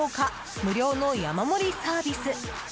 無料の山盛りサービス。